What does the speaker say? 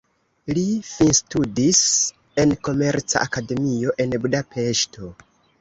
Li finstudis en komerca akademio, en Budapeŝto.